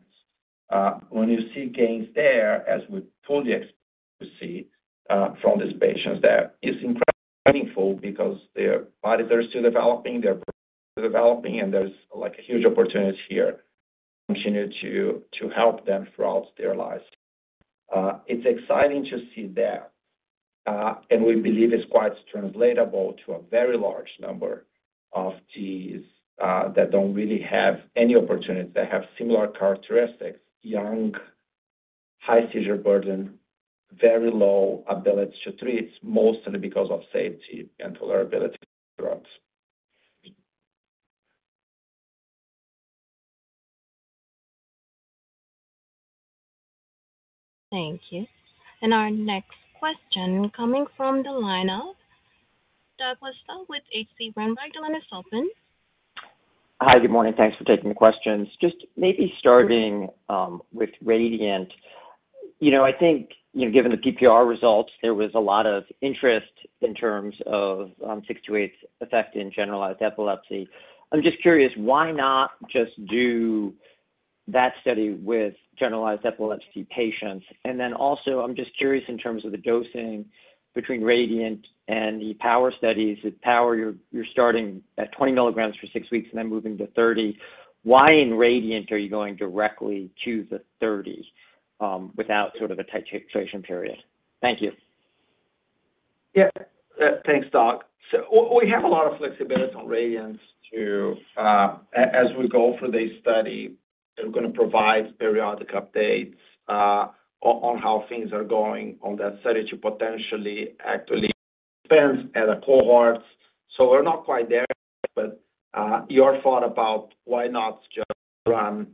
When you see gains there, as we fully expect to see, from these patients, that is incredibly meaningful because their bodies are still developing, their brains are developing, and there's, like, a huge opportunity here to continue to help them throughout their lives. It's exciting to see that, and we believe it's quite translatable to a very large number of DEEs, that don't really have any opportunity. They have similar characteristics, young, high seizure burden, very low ability to treat, mostly because of safety and tolerability throughout. Thank you. Our next question coming from the line of Douglas Tsao with H.C. Wainwright. Your line is open. Hi, good morning. Thanks for taking the questions. Just maybe starting with RADIANT. You know, I think, you know, given the PPR results, there was a lot of interest in terms of six two eight's effect in generalized epilepsy. I'm just curious, why not just do that study with generalized epilepsy patients? And then also, I'm just curious in terms of the dosing between RADIANT and the Power studies. With Power, you're, you're starting at 20 milligrams for 6 weeks and then moving to 30. Why in RADIANT are you going directly to the 30 without sort of a titration period? Thank you. Yeah. Thanks, Doc. So we have a lot of flexibility on RADIANT to, as we go through this study, we're gonna provide periodic updates on how things are going on that study to potentially actually expand the cohorts. So we're not quite there, but your thought about why not just run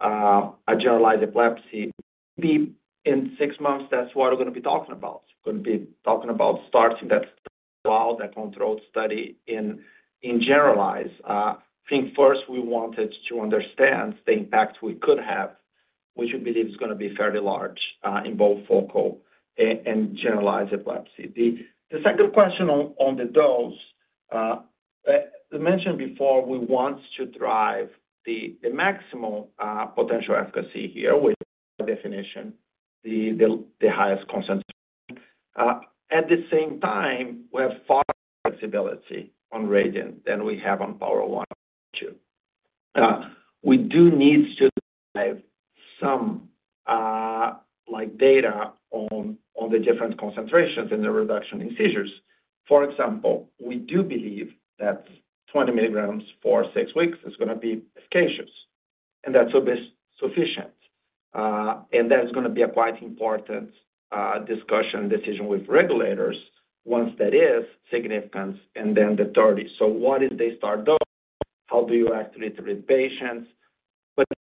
a generalized epilepsy. Maybe in six months, that's what we're gonna be talking about. We're gonna be talking about starting that trial, that controlled study in generalized. I think first we wanted to understand the impact we could have, which we believe is gonna be fairly large in both focal and generalized epilepsy. The second question on the dose, I mentioned before, we want to drive the maximal potential efficacy here, with the definition the highest concentration. At the same time, we have far flexibility on RADIANT than we have on POWER 1. We do need to have some, like data on the different concentrations and the reduction in seizures. For example, we do believe that 20 milligrams for six weeks is going to be efficacious, and that's obviously sufficient. And that is gonna be a quite important discussion decision with regulators once that is significant, and then the 30. So what did they start doing? How do you activate with patients?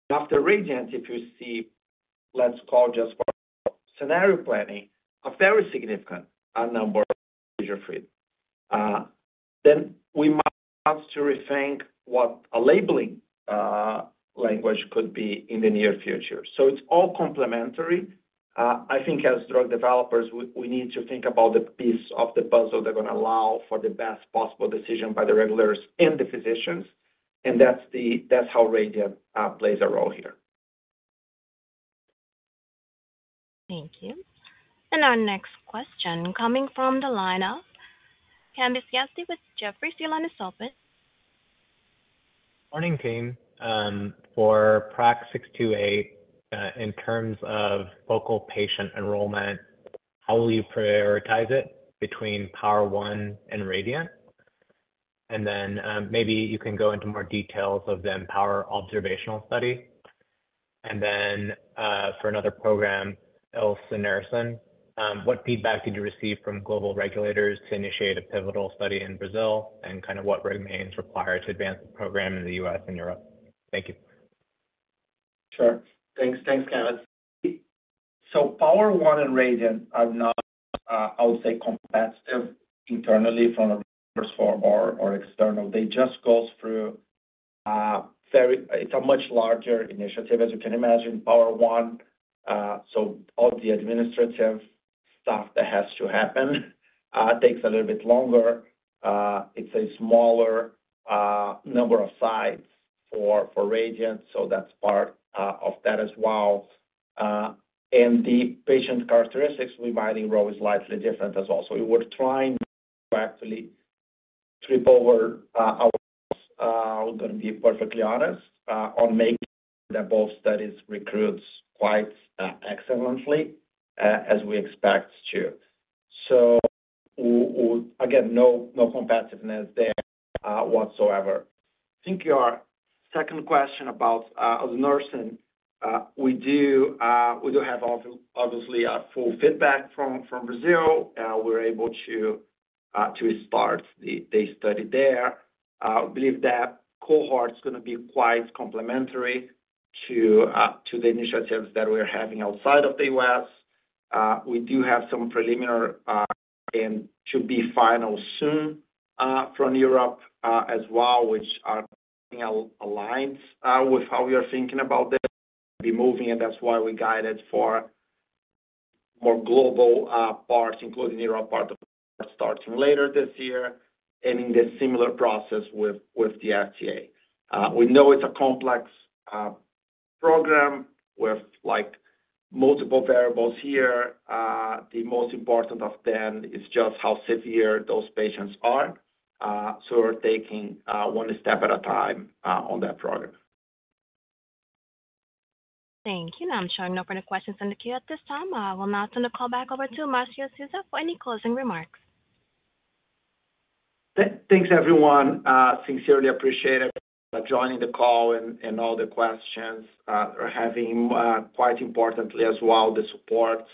But after RADIANT, if you see, let's call just scenario planning, a very significant number seizure-free, then we might have to rethink what a labeling language could be in the near future. So it's all complementary. I think as drug developers, we need to think about the piece of the puzzle that's gonna allow for the best possible decision by the regulators and the physicians, and that's how RADIANT plays a role here. Thank you. Our next question coming from the line of Kambiz Yazdi with Jefferies. Your line is open. Morning, team. For PRAX-628, in terms of focal patient enrollment, how will you prioritize it between POWER 1 and RADIANT? Then, maybe you can go into more details of the EMBOLD observational study. Then, for another program, Elanersen, what feedback did you receive from global regulators to initiate a pivotal study in Brazil, and kind of what remains required to advance the program in the US and Europe? Thank you. Sure. Thanks, thanks, Kambiz. So POWER 1 and RADIANT are not, I would say, competitive internally from a first or external. They just goes through, it's a much larger initiative, as you can imagine, POWER 1. So all the administrative stuff that has to happen takes a little bit longer. It's a smaller number of sites for Radiant, so that's part of that as well. And the patient characteristics we might enroll is slightly different as well. So we were trying to actually trip over our, I'm gonna be perfectly honest, on making that both studies recruits quite excellently, as we expect to. So we—again, no, no competitiveness there whatsoever. I think your second question about the nursing, we do, we do have obviously a full feedback from Brazil, and we're able to start the study there. I believe that cohort is gonna be quite complementary to the initiatives that we're having outside of the U.S. We do have some preliminary and should be final soon from Europe as well, which are aligned with how we are thinking about them be moving, and that's why we guided for more global parts, including Europe part of starting later this year, and in the similar process with the FDA. We know it's a complex program with, like, multiple variables here. The most important of them is just how severe those patients are. We're taking one step at a time on that program. Thank you. I'm showing no further questions in the queue at this time. I will now turn the call back over to Marcio Souza for any closing remarks. Thanks, everyone. Sincerely appreciate it, joining the call and all the questions. We're having quite importantly as well the support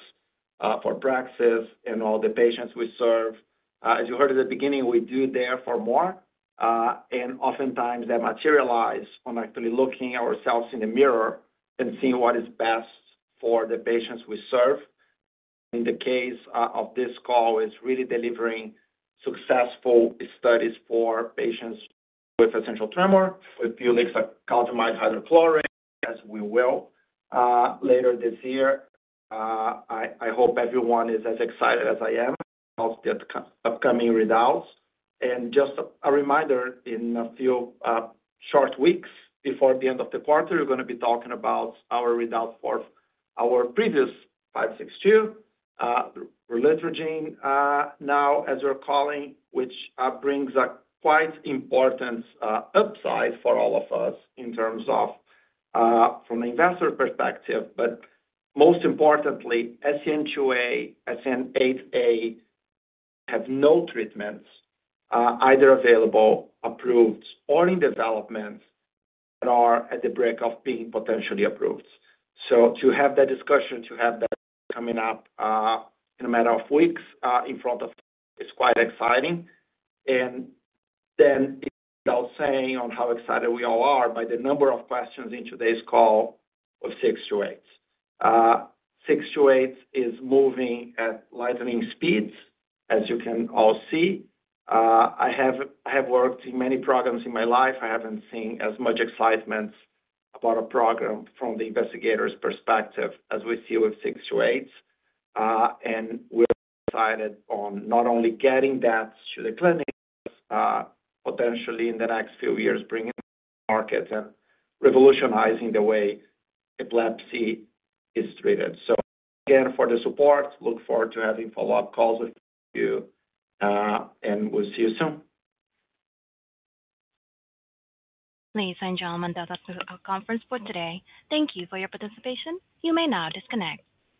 for Praxis and all the patients we serve. As you heard at the beginning, we do deliver more, and oftentimes they materialize on actually looking ourselves in the mirror and seeing what is best for the patients we serve. In the case of this call, it's really delivering successful studies for patients with essential tremor, with ulixacaltamide hydrochloride, as we will later this year. I hope everyone is as excited as I am about the upcoming results. And just a reminder, in a few short weeks, before the end of the quarter, we're gonna be talking about our results for our previous 562, relutrigine, now as we're calling, which brings a quite important upside for all of us in terms of from an investor perspective. But most importantly, SCN2A, SCN8A, have no treatments either available, approved, or in development, that are at the brink of being potentially approved. So to have that discussion, to have that coming up in a matter of weeks in front of is quite exciting. And then, without saying on how excited we all are by the number of questions in today's call with 628. 628 is moving at lightning speeds, as you can all see. I have worked in many programs in my life. I haven't seen as much excitement about a program from the investigator's perspective as we see with 628. And we're excited on not only getting that to the clinic, potentially in the next few years, bringing market and revolutionizing the way epilepsy is treated. So again, for the support, look forward to having follow-up calls with you, and we'll see you soon. Ladies and gentlemen, that's the end of our conference for today. Thank you for your participation. You may now disconnect.